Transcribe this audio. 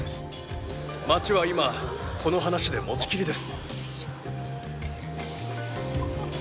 街は今この話で持ちきりです！！